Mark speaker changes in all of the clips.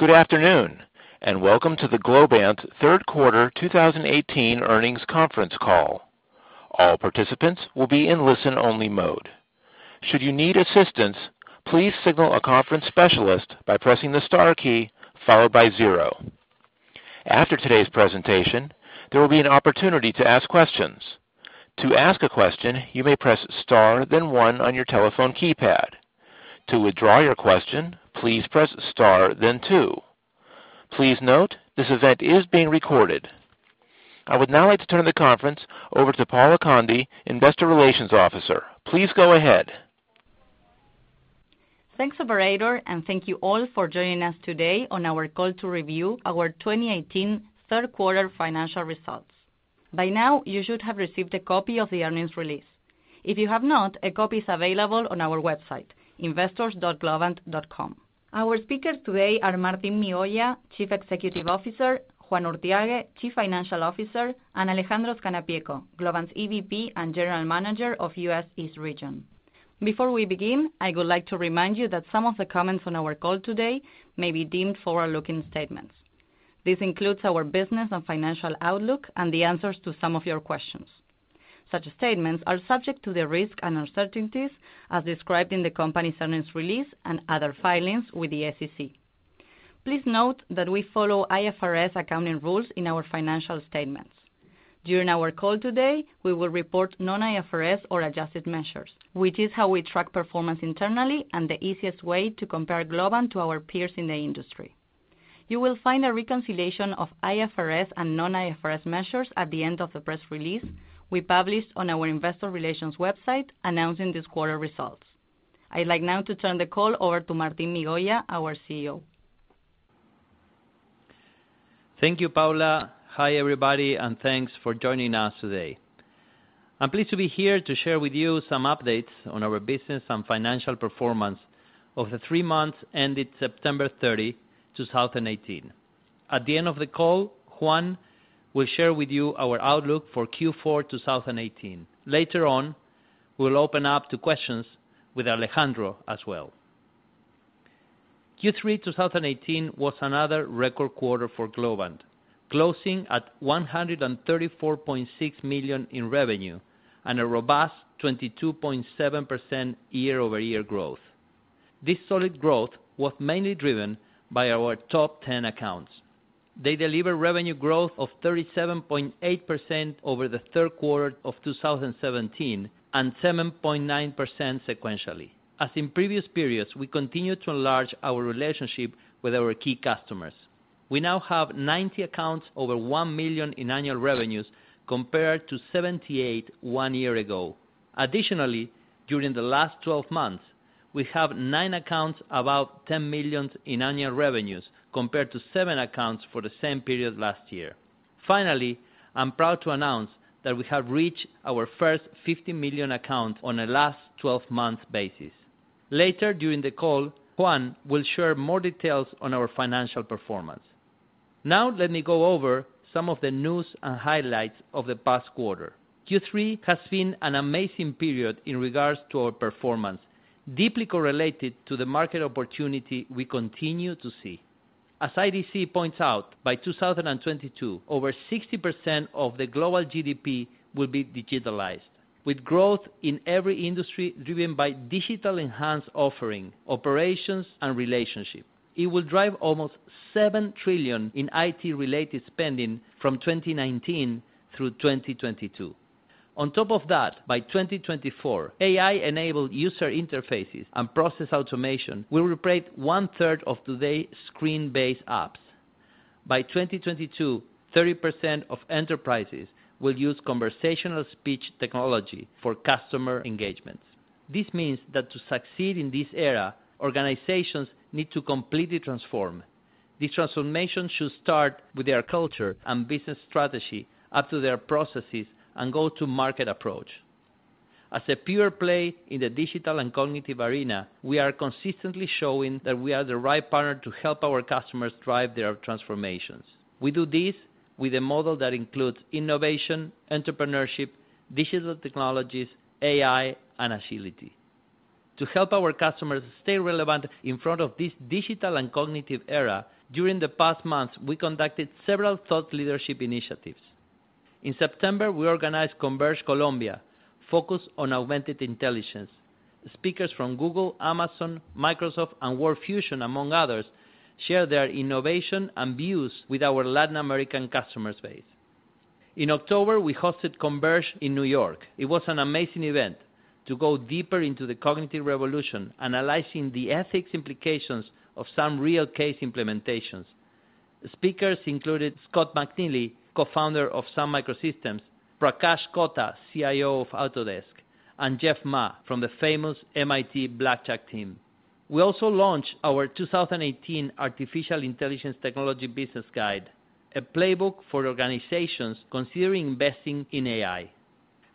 Speaker 1: Good afternoon, and welcome to the Globant Third Quarter 2018 Earnings Conference Call. All participants will be in listen-only mode. Should you need assistance, please signal a conference specialist by pressing the star key followed by zero. After today's presentation, there will be an opportunity to ask questions. To ask a question, you may press star then one on your telephone keypad. To withdraw your question, please press star then two. Please note, this event is being recorded. I would now like to turn the conference over to Paula Conde, Investor Relations Officer. Please go ahead.
Speaker 2: Thanks, operator, and thank you all for joining us today on our call to review our 2018 third quarter financial results. By now, you should have received a copy of the earnings release. If you have not, a copy is available on our website, investors.globant.com. Our speakers today are Martín Migoya, Chief Executive Officer, Juan Urthiague, Chief Financial Officer, and Alejandro Scannapieco, Globant's EVP and General Manager of U.S. East region. Before we begin, I would like to remind you that some of the comments on our call today may be deemed forward-looking statements. This includes our business and financial outlook and the answers to some of your questions. Such statements are subject to the risk and uncertainties as described in the company's earnings release and other filings with the SEC. Please note that we follow IFRS accounting rules in our financial statements. During our call today, we will report non-IFRS or adjusted measures, which is how we track performance internally and the easiest way to compare Globant to our peers in the industry. You will find a reconciliation of IFRS and non-IFRS measures at the end of the press release we published on our investor relations website announcing this quarter results. I'd like now to turn the call over to Martín Migoya, our CEO.
Speaker 3: Thank you, Paula. Hi, everybody, and thanks for joining us today. I'm pleased to be here to share with you some updates on our business and financial performance of the three months ended September 30, 2018. At the end of the call, Juan will share with you our outlook for Q4 2018. Later on, we'll open up to questions with Alejandro as well. Q3 2018 was another record quarter for Globant, closing at $134.6 million in revenue and a robust 22.7% year-over-year growth. This solid growth was mainly driven by our top 10 accounts. They delivered revenue growth of 37.8% over the third quarter of 2017 and 7.9% sequentially. As in previous periods, we continue to enlarge our relationship with our key customers. We now have 90 accounts over $1 million in annual revenues, compared to 78 one year ago. Additionally, during the last 12 months, we have nine accounts above $10 million in annual revenues, compared to seven accounts for the same period last year. Finally, I'm proud to announce that we have reached our first $50 million account on a last 12 months basis. Later during the call, Juan will share more details on our financial performance. Now let me go over some of the news and highlights of the past quarter. Q3 has been an amazing period in regards to our performance, deeply correlated to the market opportunity we continue to see. As IDC points out, by 2022, over 60% of the global GDP will be digitalized, with growth in every industry driven by digital-enhanced offering, operations, and relationship. It will drive almost $7 trillion in IT-related spending from 2019 through 2022. On top of that, by 2024, AI-enabled user interfaces and process automation will replace one-third of today's screen-based apps. By 2022, 30% of enterprises will use conversational speech technology for customer engagements. This means that to succeed in this era, organizations need to completely transform. This transformation should start with their culture and business strategy up to their processes and go-to-market approach. As a pure play in the digital and cognitive arena, we are consistently showing that we are the right partner to help our customers drive their transformations. We do this with a model that includes innovation, entrepreneurship, digital technologies, AI, and agility. To help our customers stay relevant in front of this digital and cognitive era, during the past months, we conducted several thought leadership initiatives. In September, we organized Converge Colombia, focused on augmented intelligence. Speakers from Google, Amazon, Microsoft, and WorldFusion, among others, shared their innovation and views with our Latin American customer space. In October, we hosted Converge in New York. It was an amazing event to go deeper into the cognitive revolution, analyzing the ethics implications of some real case implementations. Speakers included Scott McNealy, co-founder of Sun Microsystems, Prakash Kota, CIO of Autodesk, and Jeff Ma from the famous MIT blackjack team. We also launched our 2018 Artificial Intelligence Technology Business Guide, a playbook for organizations considering investing in AI.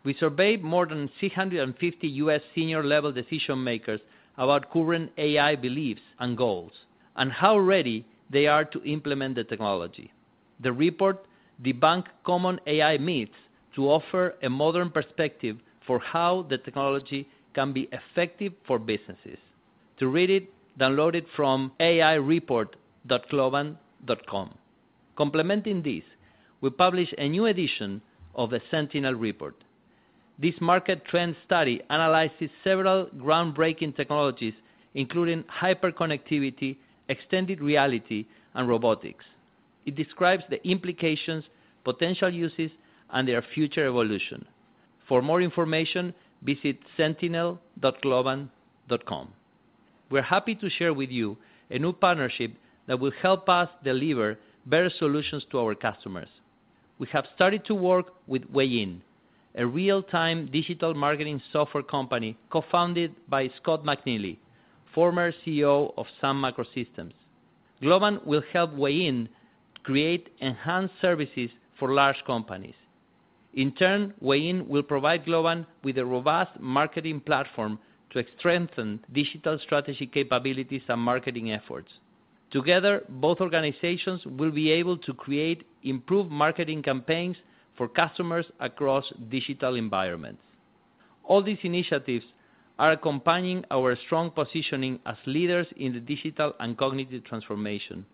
Speaker 3: We surveyed more than 650 U.S. senior-level decision-makers about current AI beliefs and goals and how ready they are to implement the technology. The report debunks common AI myths to offer a modern perspective for how the technology can be effective for businesses. To read it, download it from aireport.globant.com. Complementing this, we publish a new edition of the Sentinel Report. This market trend study analyzes several groundbreaking technologies, including hyperconnectivity, extended reality, and robotics. It describes the implications, potential uses, and their future evolution. For more information, visit sentinel.globant.com. We're happy to share with you a new partnership that will help us deliver better solutions to our customers. We have started to work with Wayin, a real-time digital marketing software company co-founded by Scott McNealy, former CEO of Sun Microsystems. Globant will help Wayin create enhanced services for large companies. In turn, Wayin will provide Globant with a robust marketing platform to strengthen digital strategy capabilities and marketing efforts. Together, both organizations will be able to create improved marketing campaigns for customers across digital environments. All these initiatives are accompanying our strong positioning as leaders in the digital and cognitive transformation.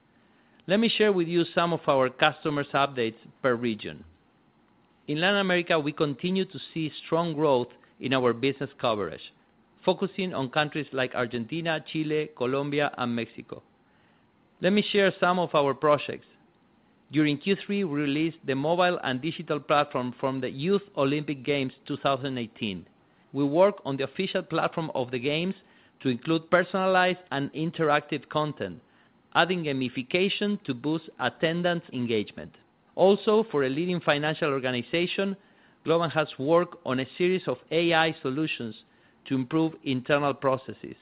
Speaker 3: Let me share with you some of our customers updates per region. In Latin America, we continue to see strong growth in our business coverage, focusing on countries like Argentina, Chile, Colombia, and Mexico. Let me share some of our projects. During Q3, we released the mobile and digital platform from the Youth Olympic Games 2018. We work on the official platform of the games to include personalized and interactive content, adding gamification to boost attendance engagement. Also, for a leading financial organization, Globant has worked on a series of AI solutions to improve internal processes.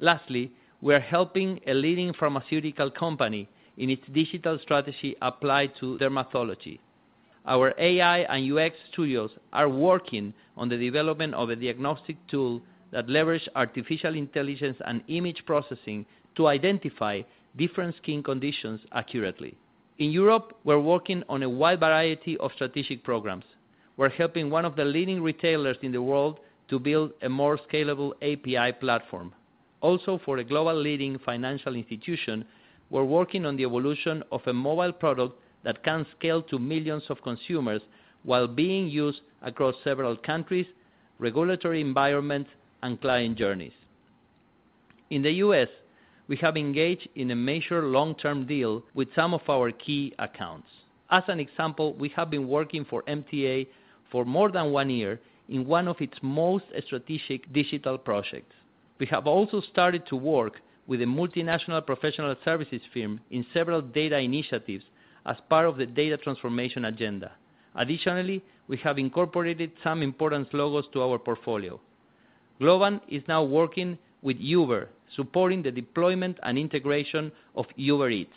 Speaker 3: Lastly, we are helping a leading pharmaceutical company in its digital strategy applied to dermatology. Our AI and UX studios are working on the development of a diagnostic tool that leverages artificial intelligence and image processing to identify different skin conditions accurately. In Europe, we're working on a wide variety of strategic programs. We're helping one of the leading retailers in the world to build a more scalable API platform. For a global leading financial institution, we're working on the evolution of a mobile product that can scale to millions of consumers while being used across several countries, regulatory environments, and client journeys. In the U.S., we have engaged in a major long-term deal with some of our key accounts. As an example, we have been working for MTA for more than one year in one of its most strategic digital projects. We have also started to work with a multinational professional services firm in several data initiatives as part of the data transformation agenda. We have incorporated some important logos to our portfolio. Globant is now working with Uber, supporting the deployment and integration of Uber Eats.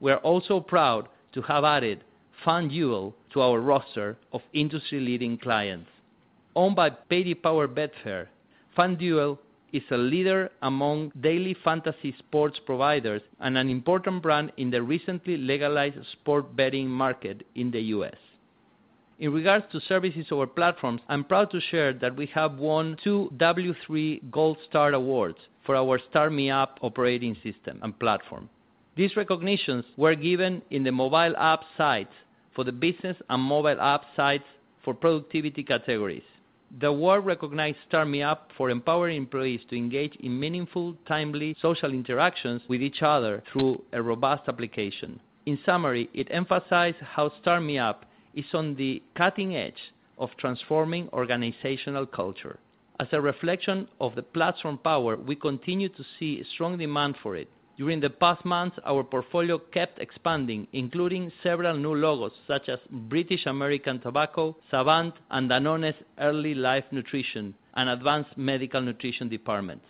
Speaker 3: We are also proud to have added FanDuel to our roster of industry-leading clients. Owned by Paddy Power Betfair, FanDuel is a leader among daily fantasy sports providers and an important brand in the recently legalized sports betting market in the U.S. In regards to services or platforms, I'm proud to share that we have won two W³ Gold Star Awards for our StarMeUp operating system and platform. These recognitions were given in the mobile app sites for the business and mobile app sites for productivity categories. The award recognized StarMeUp for empowering employees to engage in meaningful, timely social interactions with each other through a robust application. In summary, it emphasized how StarMeUp is on the cutting edge of transforming organizational culture. As a reflection of the platform power, we continue to see strong demand for it. During the past months, our portfolio kept expanding, including several new logos such as British American Tobacco, Savant, and Danone's Early Life Nutrition and Advanced Medical Nutrition departments.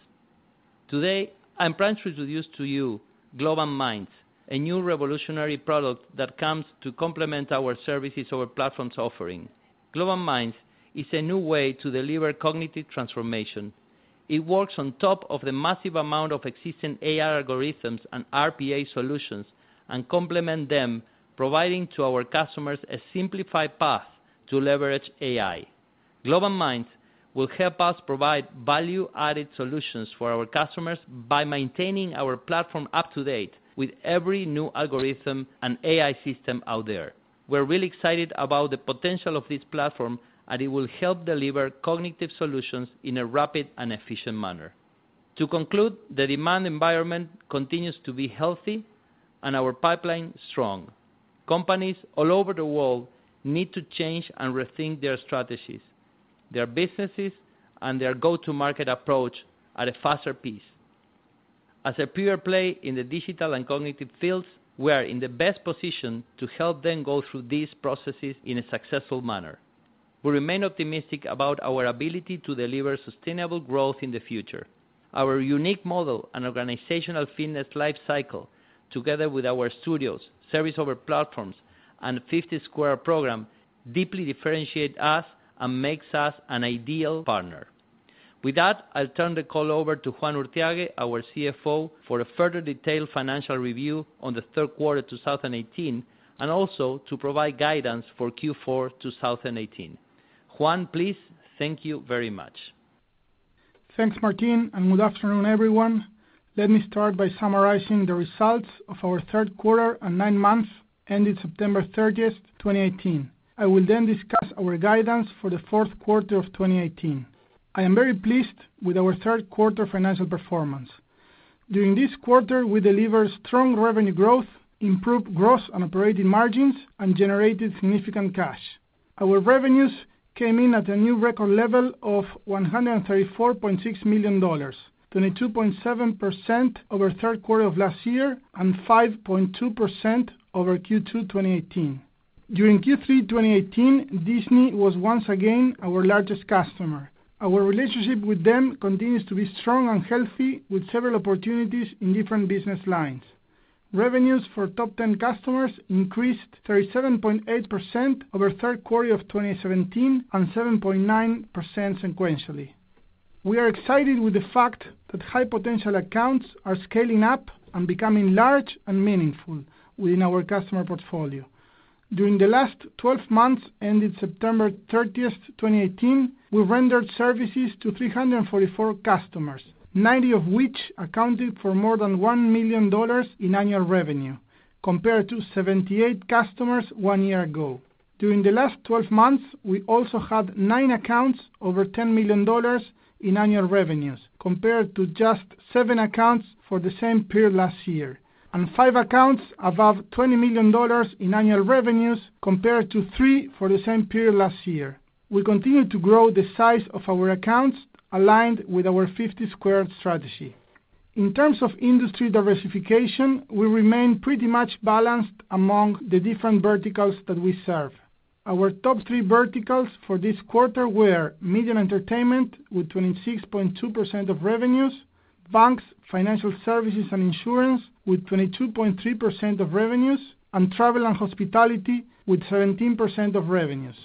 Speaker 3: Today, I'm proud to introduce to you Globant Minds, a new revolutionary product that comes to complement our services over platforms offering. Globant Minds is a new way to deliver cognitive transformation. It works on top of the massive amount of existing AI algorithms and RPA solutions and complement them, providing to our customers a simplified path to leverage AI. Globant Minds will help us provide value-added solutions for our customers by maintaining our platform up to date with every new algorithm and AI system out there. We're really excited about the potential of this platform, it will help deliver cognitive solutions in a rapid and efficient manner. To conclude, the demand environment continues to be healthy and our pipeline strong. Companies all over the world need to change and rethink their strategies, their businesses, and their go-to-market approach at a faster pace. As a pure play in the digital and cognitive fields, we are in the best position to help them go through these processes in a successful manner. We remain optimistic about our ability to deliver sustainable growth in the future. Our unique model and organizational fitness life cycle, together with our studios, service over platforms, and 50 Squared program, deeply differentiate us and makes us an ideal partner. With that, I'll turn the call over to Juan Urthiague, our CFO, for a further detailed financial review on the third quarter 2018, and also to provide guidance for Q4 2018. Juan, please. Thank you very much.
Speaker 4: Thanks, Martín, good afternoon, everyone. Let me start by summarizing the results of our third quarter and nine months ended September 30th, 2018. I will discuss our guidance for the fourth quarter of 2018. I am very pleased with our third quarter financial performance. During this quarter, we delivered strong revenue growth, improved gross and operating margins, and generated significant cash. Our revenues came in at a new record level of $134.6 million, 22.7% over third quarter of last year, and 5.2% over Q2 2018. During Q3 2018, Disney was once again our largest customer. Our relationship with them continues to be strong and healthy, with several opportunities in different business lines. Revenues for top 10 customers increased 37.8% over third quarter of 2017 and 7.9% sequentially. We are excited with the fact that high potential accounts are scaling up and becoming large and meaningful within our customer portfolio. During the last 12 months ended September 30th, 2018, we rendered services to 344 customers, 90 of which accounted for more than $1 million in annual revenue compared to 78 customers one year ago. During the last 12 months, we also had nine accounts over $10 million in annual revenues compared to just seven accounts for the same period last year, and five accounts above $20 million in annual revenues compared to three for the same period last year. We continue to grow the size of our accounts aligned with our 50 Squared strategy. In terms of industry diversification, we remain pretty much balanced among the different verticals that we serve. Our top three verticals for this quarter were media and entertainment with 26.2% of revenues, banks, financial services, and insurance with 22.3% of revenues, and travel and hospitality with 17% of revenues.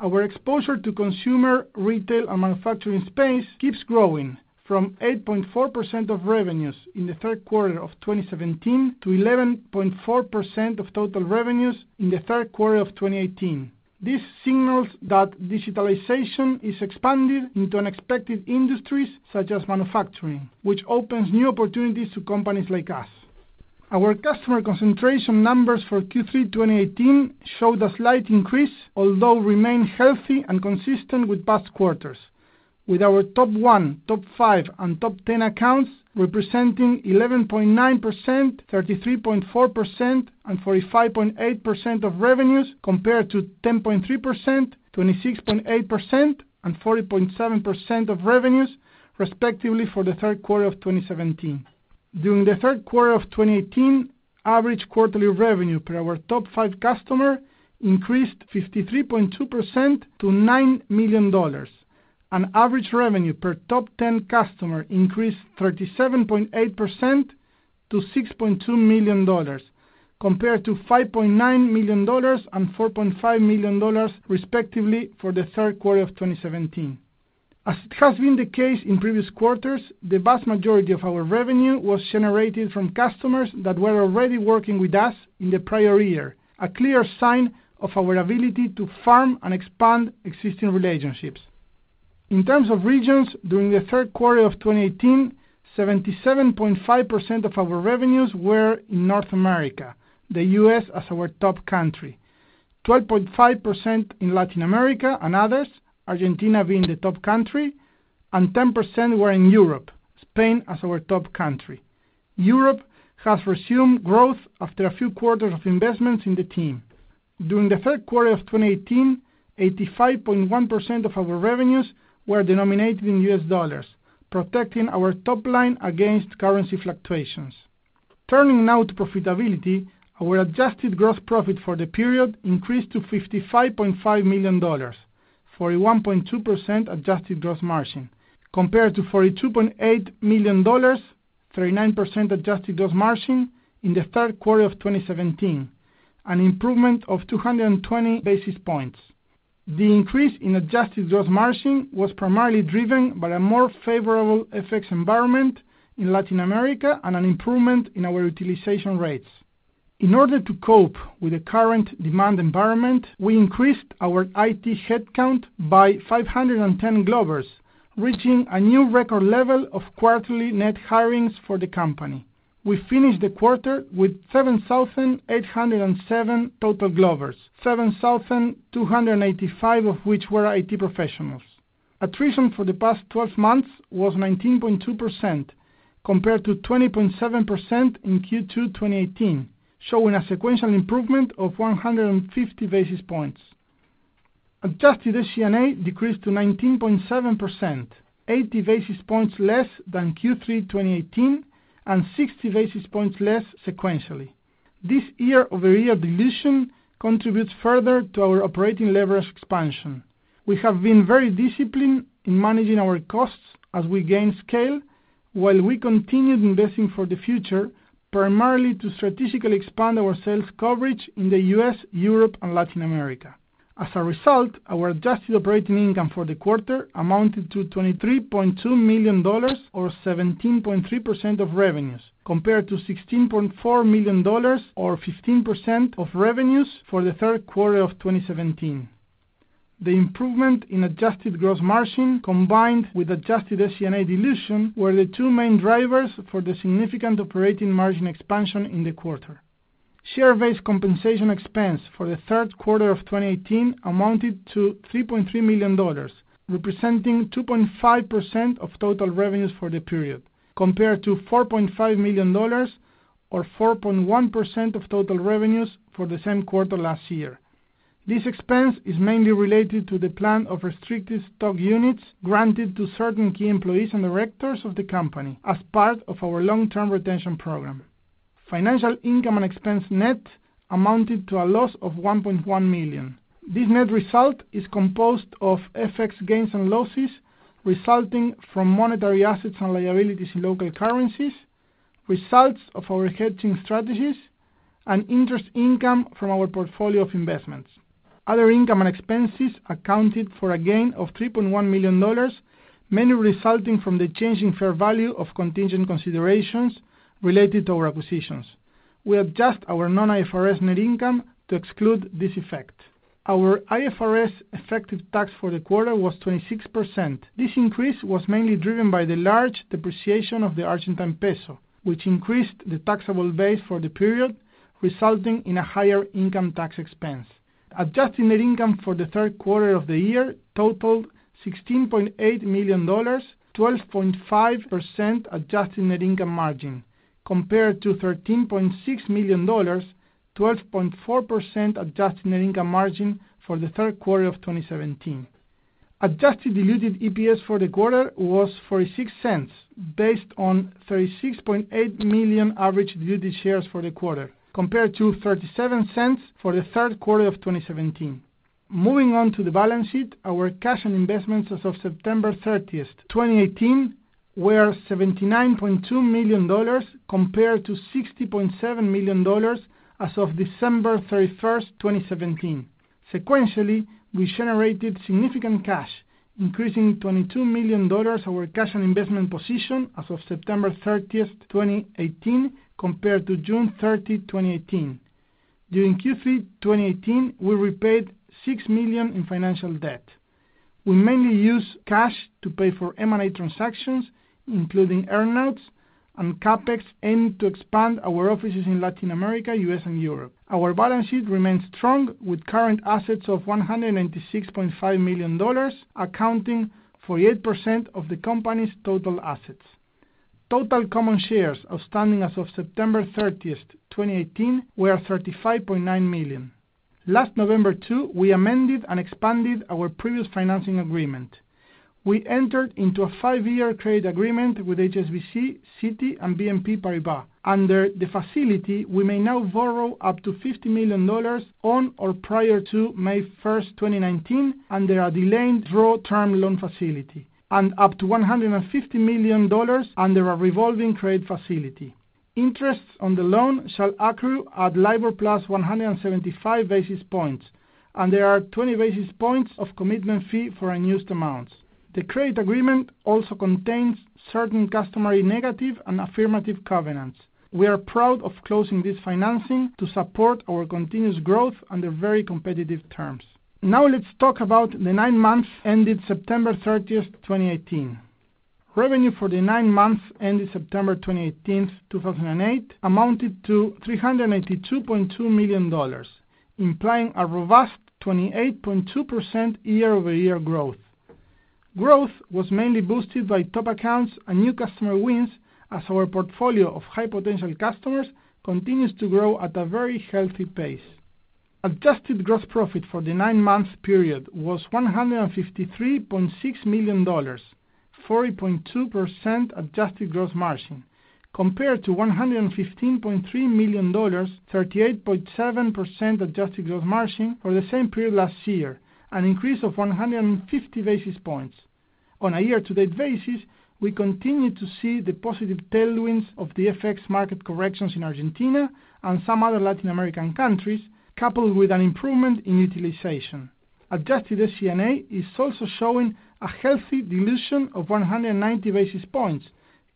Speaker 4: Our exposure to consumer, retail, and manufacturing space keeps growing from 8.4% of revenues in the third quarter of 2017 to 11.4% of total revenues in the third quarter of 2018. This signals that digitalization is expanding into unexpected industries such as manufacturing, which opens new opportunities to companies like us. Our customer concentration numbers for Q3 2018 showed a slight increase, although remain healthy and consistent with past quarters. With our top one, top five, and top 10 accounts representing 11.9%, 33.4%, and 45.8% of revenues compared to 10.3%, 26.8%, and 40.7% of revenues, respectively for the third quarter of 2017. During the third quarter of 2018, average quarterly revenue per our top five customer increased 53.2% to $9 million. Average revenue per top 10 customer increased 37.8% to $6.2 million compared to $5.9 million and $4.5 million respectively for the third quarter of 2017. As has been the case in previous quarters, the vast majority of our revenue was generated from customers that were already working with us in the prior year, a clear sign of our ability to farm and expand existing relationships. In terms of regions, during the third quarter of 2018, 77.5% of our revenues were in North America, the U.S. as our top country. 12.5% in Latin America and others, Argentina being the top country, and 10% were in Europe, Spain as our top country. Europe has resumed growth after a few quarters of investments in the team. During the third quarter of 2018, 85.1% of our revenues were denominated in US dollars, protecting our top line against currency fluctuations. Turning now to profitability, our adjusted gross profit for the period increased to $55.5 million, 41.2% adjusted gross margin, compared to $42.8 million, 39% adjusted gross margin in the third quarter of 2017, an improvement of 220 basis points. The increase in adjusted gross margin was primarily driven by a more favorable FX environment in Latin America and an improvement in our utilization rates. In order to cope with the current demand environment, we increased our IT headcount by 510 Globers, reaching a new record level of quarterly net hirings for the company. We finished the quarter with 7,807 total Globers, 7,285 of which were IT professionals. Attrition for the past 12 months was 19.2% compared to 20.7% in Q2 2018, showing a sequential improvement of 150 basis points. Adjusted SG&A decreased to 19.7%, 80 basis points less than Q3 2018 and 60 basis points less sequentially. This year-over-year dilution contributes further to our operating leverage expansion. We have been very disciplined in managing our costs as we gain scale, while we continue investing for the future, primarily to strategically expand our sales coverage in the U.S., Europe, and Latin America. As a result, our adjusted operating income for the quarter amounted to $23.2 million or 17.3% of revenues, compared to $16.4 million, or 15% of revenues for the third quarter of 2017. The improvement in adjusted gross margin, combined with adjusted SG&A dilution, were the two main drivers for the significant operating margin expansion in the quarter. Share-based compensation expense for the third quarter of 2018 amounted to $3.3 million, representing 2.5% of total revenues for the period, compared to $4.5 million, or 4.1% of total revenues for the same quarter last year. This expense is mainly related to the plan of restricted stock units granted to certain key employees and directors of the company as part of our long-term retention program. Financial income and expense net amounted to a loss of $1.1 million. This net result is composed of FX gains and losses resulting from monetary assets and liabilities in local currencies, results of our hedging strategies, and interest income from our portfolio of investments. Other income and expenses accounted for a gain of $3.1 million, mainly resulting from the change in fair value of contingent considerations related to our acquisitions. We adjust our non-IFRS net income to exclude this effect. Our IFRS effective tax for the quarter was 26%. This increase was mainly driven by the large depreciation of the Argentine peso, which increased the taxable base for the period, resulting in a higher income tax expense. Adjusted net income for the third quarter of the year totaled $16.8 million, 12.5% adjusted net income margin, compared to $13.6 million, 12.4% adjusted net income margin for the third quarter of 2017. Adjusted diluted EPS for the quarter was $0.46, based on 36.8 million average diluted shares for the quarter, compared to $0.37 for the third quarter of 2017. Moving on to the balance sheet, our cash and investments as of September 30th, 2018 were $79.2 million, compared to $60.7 million as of December 31st, 2017. Sequentially, we generated significant cash, increasing $22 million our cash and investment position as of September 30th, 2018 compared to June 30, 2018. During Q3 2018, we repaid $6 million in financial debt. We mainly use cash to pay for M&A transactions, including earn-outs and CapEx, aiming to expand our offices in Latin America, U.S., and Europe. Our balance sheet remains strong with current assets of $196.5 million, accounting for 8% of the company's total assets. Total common shares outstanding as of September 30th, 2018 were 35.9 million. Last November 2, we amended and expanded our previous financing agreement. We entered into a five-year trade agreement with HSBC, Citi, and BNP Paribas. Under the facility, we may now borrow up to $50 million on or prior to May 1st, 2019, under a delayed draw term loan facility, and up to $150 million under a revolving trade facility. Interests on the loan shall accrue at LIBOR +175 basis points, and there are 20 basis points of commitment fee for unused amounts. The credit agreement also contains certain customary negative and affirmative covenants. We are proud of closing this financing to support our continuous growth under very competitive terms. Now let's talk about the nine months ended September 30th, 2018. Revenue for the nine months ended September 30th, 2018 amounted to $392.2 million, implying a robust 28.2% year-over-year growth. Growth was mainly boosted by top accounts and new customer wins as our portfolio of high-potential customers continues to grow at a very healthy pace. Adjusted gross profit for the nine-month period was $153.6 million, 40.2% adjusted gross margin, compared to $115.3 million, 38.7% adjusted gross margin for the same period last year, an increase of 150 basis points. On a year-to-date basis, we continue to see the positive tailwinds of the FX market corrections in Argentina and some other Latin American countries, coupled with an improvement in utilization. Adjusted SG&A is also showing a healthy dilution of 190 basis points,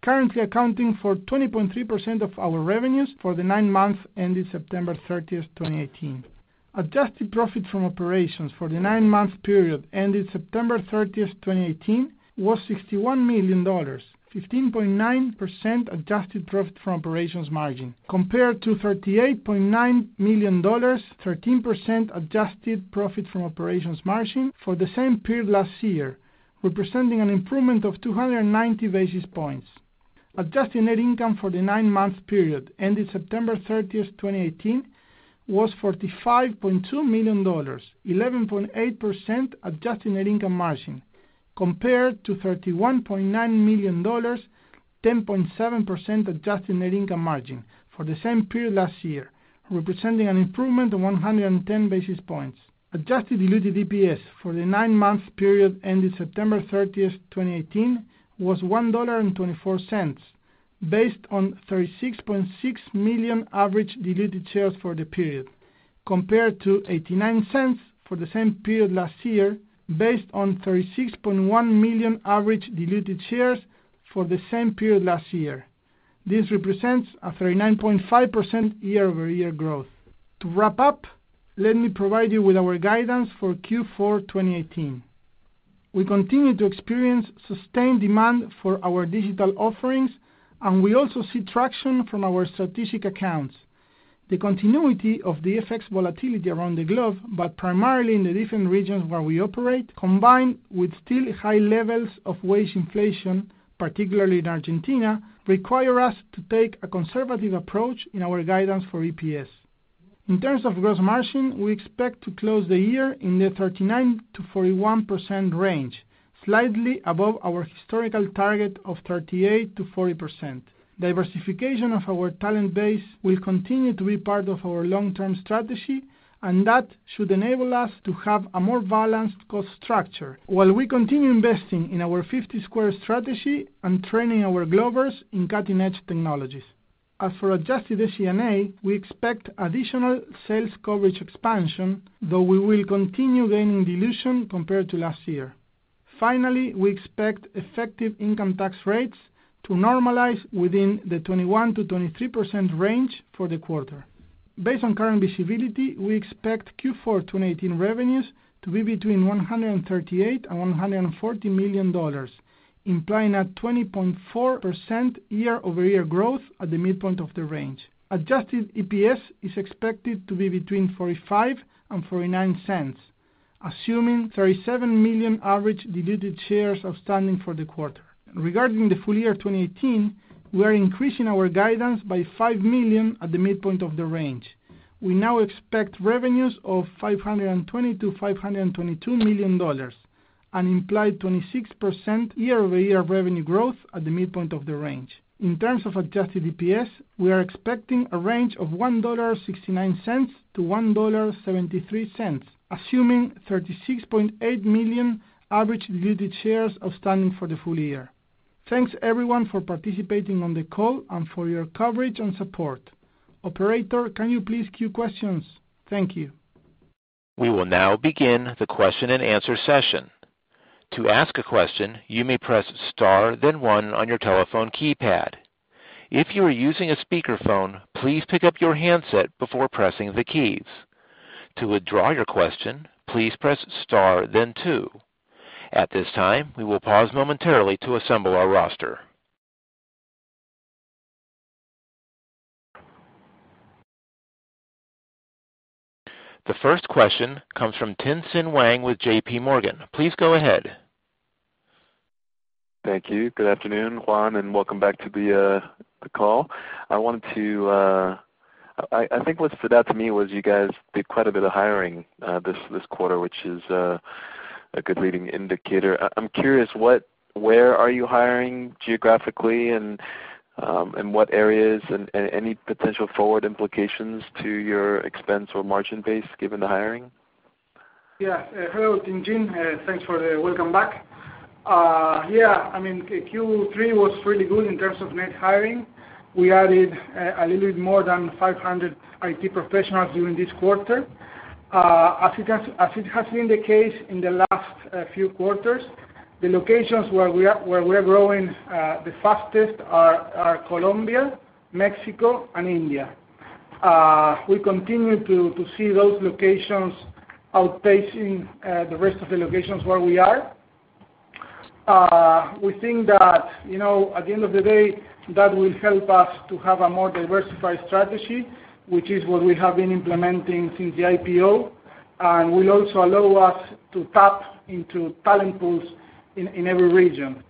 Speaker 4: currently accounting for 20.3% of our revenues for the nine months ended September 30th, 2018. Adjusted profit from operations for the nine-month period ended September 30th, 2018 was $61 million, 15.9% adjusted profit from operations margin, compared to $38.9 million, 13% adjusted profit from operations margin for the same period last year, representing an improvement of 290 basis points. Adjusted net income for the nine-month period ended September 30th, 2018 was $45.2 million, 11.8% adjusted net income margin, compared to $31.9 million, 10.7% adjusted net income margin for the same period last year, representing an improvement of 110 basis points. Adjusted diluted EPS for the nine-month period ended September 30th, 2018 was $1.24. Based on 36.6 million average diluted shares for the period, compared to $0.89 for the same period last year, based on 36.1 million average diluted shares for the same period last year. This represents a 39.5% year-over-year growth. To wrap up, let me provide you with our guidance for Q4 2018. We continue to experience sustained demand for our digital offerings. We also see traction from our strategic accounts. The continuity of the FX volatility around the globe, primarily in the different regions where we operate, combined with still high levels of wage inflation, particularly in Argentina, require us to take a conservative approach in our guidance for EPS. In terms of gross margin, we expect to close the year in the 39%-41% range, slightly above our historical target of 38%-40%. Diversification of our talent base will continue to be part of our long-term strategy, and that should enable us to have a more balanced cost structure, while we continue investing in our 50 Squared strategy and training our Globers in cutting-edge technologies. As for adjusted SG&A, we expect additional sales coverage expansion, though we will continue gaining dilution compared to last year. Finally, we expect effective income tax rates to normalize within the 21%-23% range for the quarter. Based on current visibility, we expect Q4 2018 revenues to be between $138 million-$140 million, implying a 20.4% year-over-year growth at the midpoint of the range. Adjusted EPS is expected to be between $0.45-$0.49, assuming 37 million average diluted shares outstanding for the quarter. Regarding the full year 2018, we are increasing our guidance by $5 million at the midpoint of the range. We now expect revenues of $520 million-$522 million, an implied 26% year-over-year revenue growth at the midpoint of the range. In terms of adjusted EPS, we are expecting a range of $1.69-$1.73, assuming 36.8 million average diluted shares outstanding for the full year. Thanks everyone for participating on the call and for your coverage and support. Operator, can you please queue questions? Thank you.
Speaker 1: We will now begin the question-and-answer session. To ask a question, you may press star then one on your telephone keypad. If you are using a speakerphone, please pick up your handset before pressing the keys. To withdraw your question, please press star then two. At this time, we will pause momentarily to assemble our roster. The first question comes from Tien-Tsin Huang with J.P. Morgan. Please go ahead.
Speaker 5: Thank you. Good afternoon, Juan, welcome back to the call. I think what stood out to me was you guys did quite a bit of hiring this quarter, which is a good leading indicator. I'm curious, where are you hiring geographically and what areas? Any potential forward implications to your expense or margin base given the hiring?
Speaker 4: Hello, Tsin. Thanks for the welcome back. Q3 was really good in terms of net hiring. We added a little bit more than 500 IT professionals during this quarter. As it has been the case in the last few quarters, the locations where we are growing the fastest are Colombia, Mexico, and India. We continue to see those locations outpacing the rest of the locations where we are. We think that at the end of the day, that will help us to have a more diversified strategy, which is what we have been implementing since the IPO, and will also allow us to tap into talent pools in every region.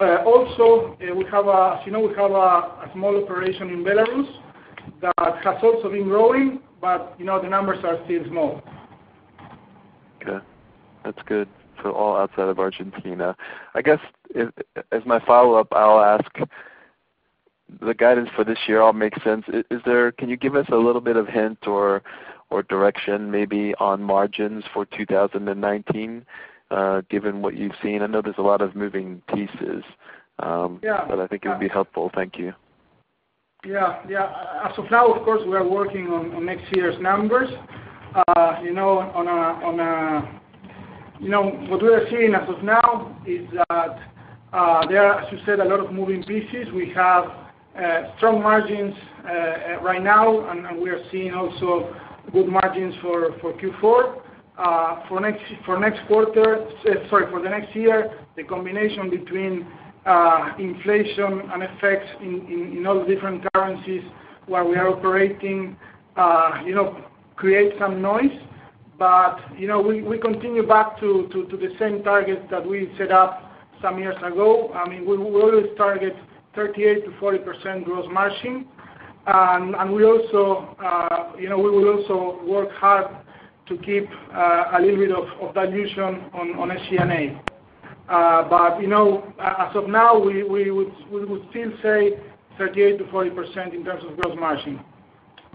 Speaker 4: Also, we have a small operation in Belarus that has also been growing, but the numbers are still small.
Speaker 5: Okay. That's good. All outside of Argentina. I guess as my follow-up, I'll ask, the guidance for this year all makes sense. Can you give us a little bit of hint or direction maybe on margins for 2019, given what you've seen? I know there's a lot of moving pieces.
Speaker 4: Yeah
Speaker 5: I think it would be helpful. Thank you.
Speaker 4: As of now, of course, we are working on next year's numbers. What we are seeing as of now is that there are, as you said, a lot of moving pieces. We have strong margins right now, and we are seeing also good margins for Q4. For the next year, the combination between inflation and effects in all the different currencies where we are operating creates some noise. We continue back to the same target that we set up some years ago. We will always target 38%-40% gross margin. We will also work hard to keep a little bit of dilution on SG&A. As of now, we would still say 38%-40% in terms of gross margin.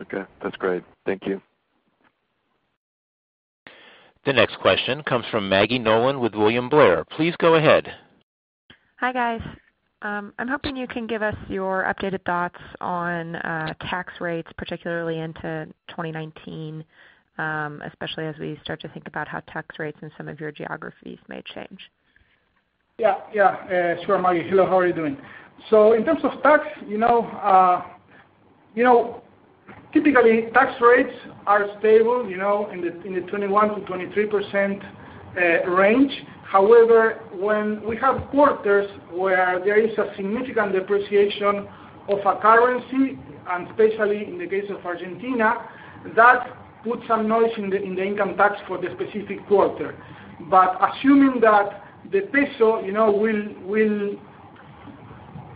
Speaker 5: Okay. That's great. Thank you.
Speaker 1: The next question comes from Maggie Nolan with William Blair. Please go ahead.
Speaker 6: Hi, guys. I'm hoping you can give us your updated thoughts on tax rates, particularly into 2019, especially as we start to think about how tax rates in some of your geographies may change.
Speaker 4: Sure, Maggie. Hello, how are you doing? In terms of tax, typically tax rates are stable, in the 21%-23% range. However, when we have quarters where there is a significant depreciation of a currency, and especially in the case of Argentina, that puts some noise in the income tax for the specific quarter. Assuming that the peso will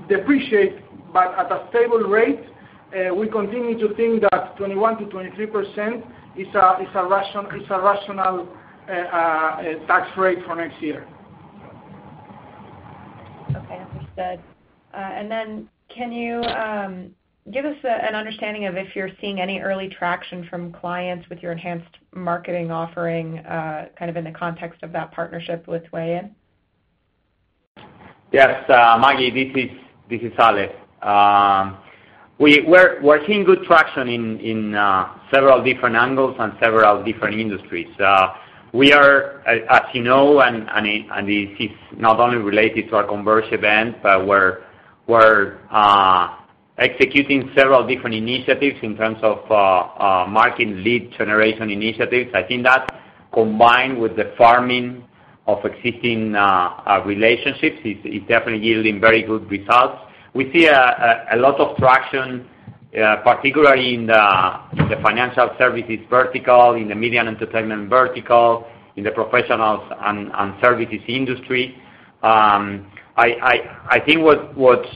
Speaker 4: depreciate but at a stable rate, we continue to think that 21%-23% is a rational tax rate for next year.
Speaker 6: Understood. Then can you give us an understanding of if you're seeing any early traction from clients with your enhanced marketing offering, kind of in the context of that partnership with Wayin?
Speaker 7: Yes, Maggie, this is Ale. We're seeing good traction in several different angles and several different industries. We are, as you know, this is not only related to our Converge event, but we're executing several different initiatives in terms of marketing lead generation initiatives. I think that, combined with the farming of existing relationships, is definitely yielding very good results. We see a lot of traction, particularly in the financial services vertical, in the media and entertainment vertical, in the professionals and services industry. I think what's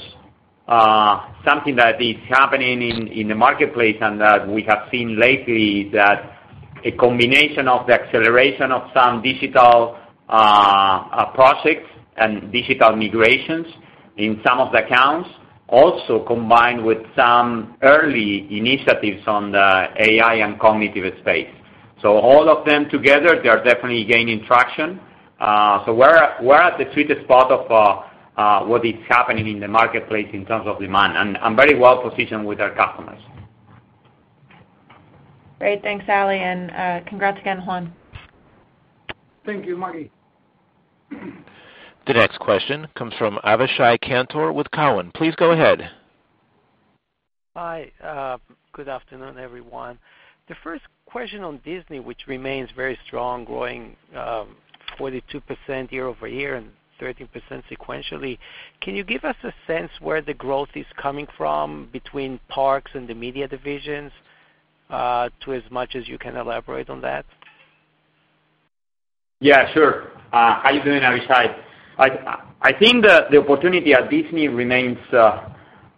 Speaker 7: something that is happening in the marketplace and that we have seen lately is that a combination of the acceleration of some digital projects and digital migrations in some of the accounts also combined with some early initiatives on the AI and cognitive space. All of them together, they are definitely gaining traction. We're at the sweetest spot of what is happening in the marketplace in terms of demand, and very well-positioned with our customers.
Speaker 6: Great. Thanks, Ale, and congrats again, Juan.
Speaker 4: Thank you, Maggie.
Speaker 1: The next question comes from Avishai Kantor with Cowen. Please go ahead.
Speaker 8: Hi. Good afternoon, everyone. The first question on Disney, which remains very strong, growing, 42% year-over-year and 13% sequentially, can you give us a sense where the growth is coming from between parks and the media divisions, to as much as you can elaborate on that?
Speaker 7: Yeah, sure. How are you doing, Avishai? I think the opportunity at Disney remains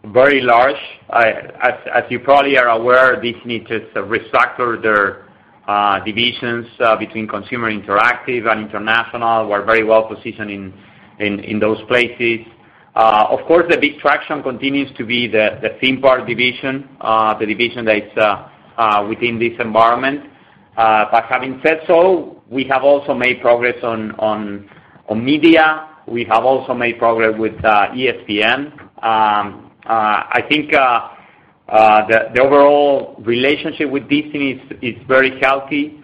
Speaker 7: very large. As you probably are aware, Disney just restructured their divisions between consumer interactive and international. We are very well-positioned in those places. Of course, the big traction continues to be the theme park division, the division that is within this environment. Having said so, we have also made progress on media. We have also made progress with ESPN. I think the overall relationship with Disney is very healthy.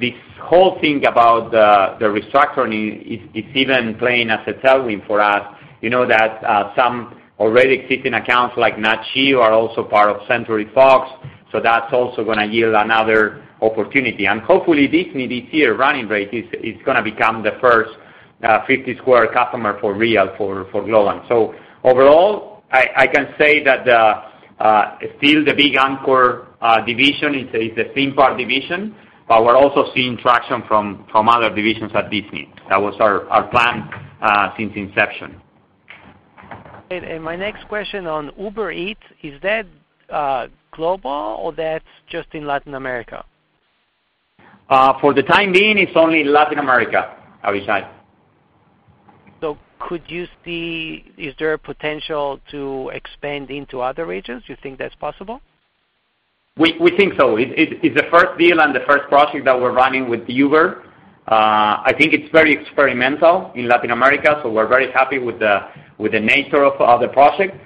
Speaker 7: This whole thing about the restructuring is even playing as a tailwind for us, that some already existing accounts like Nat Geo are also part of Century Fox, so that is also going to yield another opportunity. Hopefully Disney, this year, running rate is going to become the first 50 Squared customer for real, for Globant. Overall, I can say that still the big anchor division is the theme park division. We are also seeing traction from other divisions at Disney. That was our plan since inception.
Speaker 8: My next question on Uber Eats, is that global, or that is just in Latin America?
Speaker 7: For the time being, it is only Latin America, Avishai.
Speaker 8: Could you see, is there a potential to expand into other regions? Do you think that's possible?
Speaker 7: We think so. It's the first deal and the first project that we're running with Uber. I think it's very experimental in Latin America, so we're very happy with the nature of the project.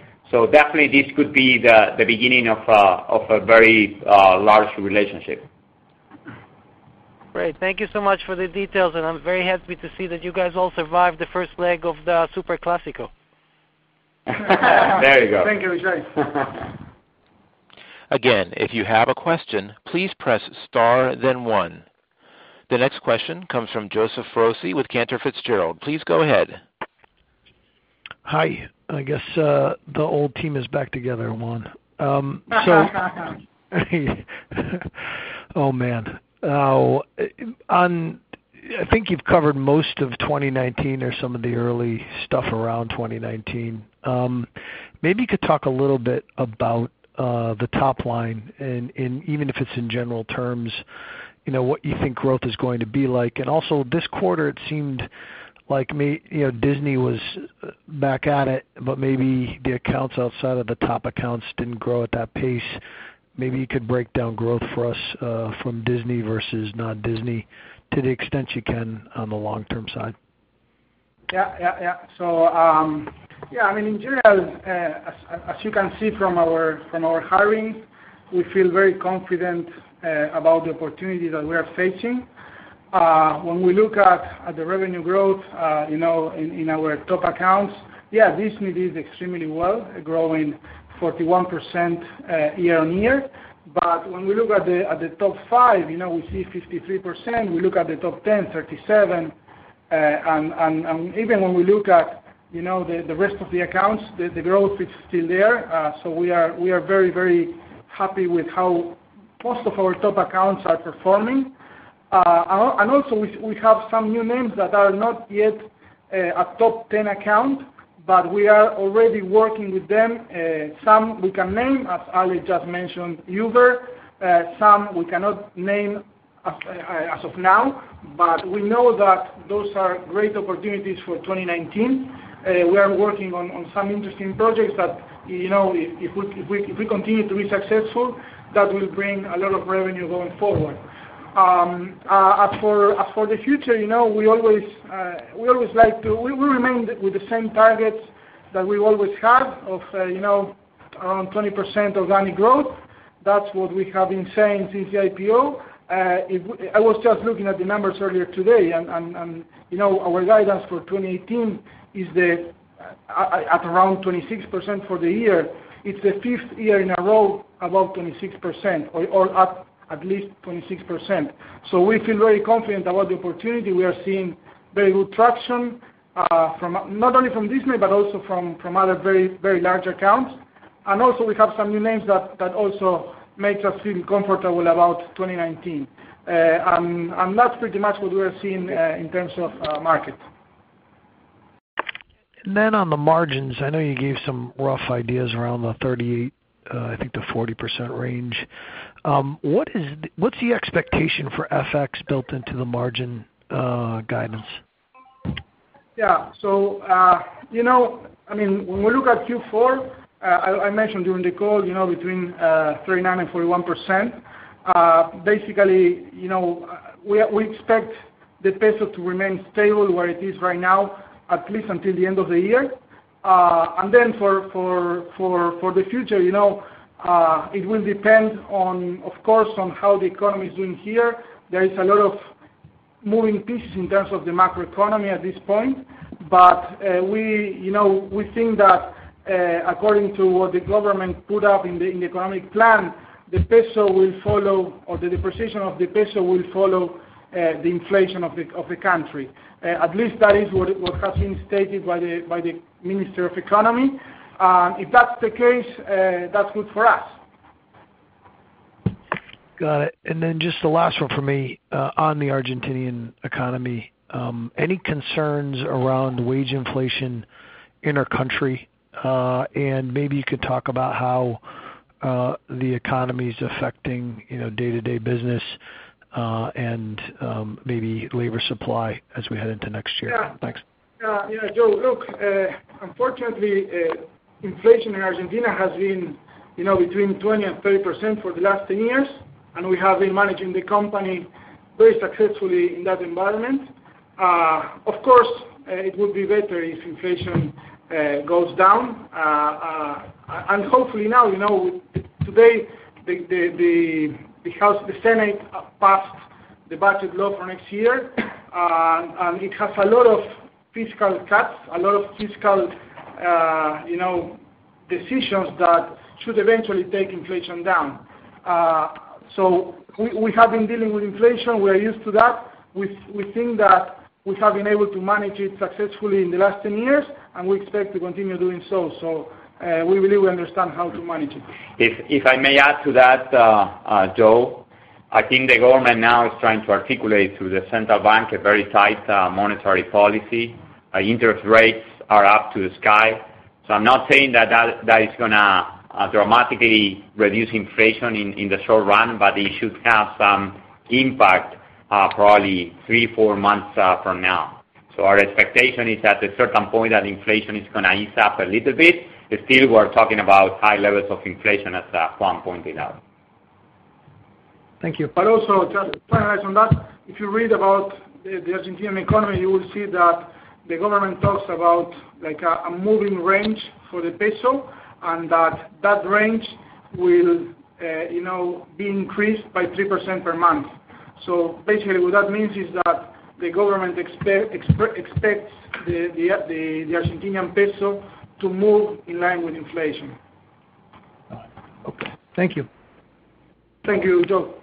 Speaker 7: Definitely this could be the beginning of a very large relationship.
Speaker 8: Great. Thank you so much for the details, and I'm very happy to see that you guys all survived the first leg of the Superclásico.
Speaker 7: There you go.
Speaker 4: Thank you, Avishai.
Speaker 1: If you have a question, please press star then one. The next question comes from Joseph Foresi with Cantor Fitzgerald. Please go ahead.
Speaker 9: Hi. I guess, the old team is back together, Juan. Oh, man. I think you've covered most of 2019 or some of the early stuff around 2019. Also this quarter, it seemed like me, Disney was back at it, but maybe the accounts outside of the top accounts didn't grow at that pace. Maybe you could break down growth for us from Disney versus non-Disney, to the extent you can on the long-term side.
Speaker 4: In general, as you can see from our hiring, we feel very confident about the opportunity that we are facing. When we look at the revenue growth in our top accounts, yeah, Disney did extremely well, growing 41% year-on-year. When we look at the top five, we see 53%. We look at the top 10, 37%. Even when we look at the rest of the accounts, the growth is still there. We are very happy with how most of our top accounts are performing. Also we have some new names that are not yet a top 10 account, but we are already working with them. Some we can name, as Ale just mentioned, Uber. Some we cannot name as of now, but we know that those are great opportunities for 2019. We are working on some interesting projects that, if we continue to be successful, that will bring a lot of revenue going forward. The future, we will remain with the same targets that we always had of around 20% organic growth. That's what we have been saying since the IPO. I was just looking at the numbers earlier today, and our guidance for 2018 is at around 26% for the year. It's the fifth year in a row above 26%, or up at least 26%. We feel very confident about the opportunity. We are seeing very good traction, not only from Disney, but also from other very large accounts. Also we have some new names that also make us feel comfortable about 2019. That's pretty much what we are seeing in terms of market.
Speaker 9: On the margins, I know you gave some rough ideas around the 38%-40% range. What's the expectation for FX built into the margin guidance?
Speaker 4: When we look at Q4, I mentioned during the call, between 39%-41%. Basically, we expect the peso to remain stable where it is right now, at least until the end of the year. For the future, it will depend, of course, on how the economy is doing here. There is a lot of moving pieces in terms of the macroeconomy at this point. We think that according to what the government put up in the economic plan, the peso will follow, or the depreciation of the peso will follow the inflation of the country. At least that is what has been stated by the Minister of Economy. If that's the case, that's good for us.
Speaker 9: Got it. Just the last one from me on the Argentinian economy. Any concerns around wage inflation in your country? Maybe you could talk about how the economy is affecting day-to-day business, and maybe labor supply as we head into next year. Thanks.
Speaker 4: Yeah. Joe, look, unfortunately, inflation in Argentina has been between 20% and 30% for the last 10 years, and we have been managing the company very successfully in that environment. Of course, it would be better if inflation goes down. Hopefully now, today, because the Senate passed the budget law for next year, and it has a lot of fiscal cuts, a lot of fiscal decisions that should eventually take inflation down. We have been dealing with inflation. We are used to that. We think that we have been able to manage it successfully in the last 10 years, and we expect to continue doing so. We really understand how to manage it.
Speaker 7: If I may add to that, Joe, I think the government now is trying to articulate through the central bank a very tight monetary policy. Interest rates are up to the sky. I'm not saying that is gonna dramatically reduce inflation in the short run, but it should have some impact probably three, four months from now. Our expectation is at a certain point that inflation is gonna ease up a little bit, but still we are talking about high levels of inflation as Juan pointed out.
Speaker 9: Thank you.
Speaker 4: Also just to finalize on that, if you read about the Argentinian economy, you will see that the government talks about a moving range for the peso and that that range will be increased by 3% per month. Basically, what that means is that the government expects the Argentinian peso to move in line with inflation.
Speaker 9: All right. Okay. Thank you.
Speaker 4: Thank you, Joe.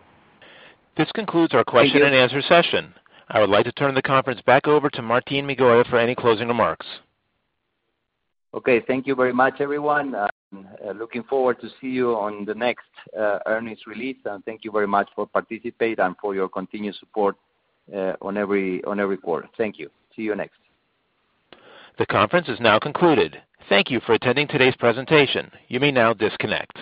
Speaker 1: This concludes our question-and-answer session. I would like to turn the conference back over to Martín Migoya for any closing remarks.
Speaker 3: Okay. Thank you very much, everyone, and looking forward to see you on the next earnings release. Thank you very much for participate and for your continued support on every quarter. Thank you. See you next.
Speaker 1: The conference is now concluded. Thank you for attending today's presentation. You may now disconnect.